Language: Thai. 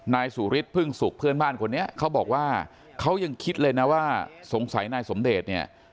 นายสุฤทธิพึ่งสุขเพื่อนบ้านคนนี้เขาบอกว่าเขายังคิดเลยนะว่าสงสัยนายสมเดชเนี่ย